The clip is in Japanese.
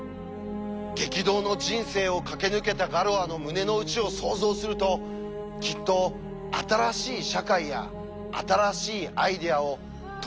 激動の人生を駆け抜けたガロアの胸の内を想像するときっと新しい社会や新しいアイデアをとにかく作り上げて広めたい！